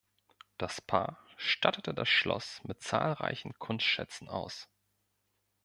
Das Paar stattete das Schloss mit zahlreichen Kunstschätzen aus.